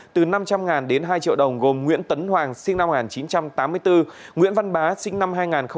từ năm trăm linh đến hai triệu đồng gồm nguyễn tấn hoàng sinh năm một nghìn chín trăm tám mươi bốn nguyễn văn bá sinh năm hai nghìn một mươi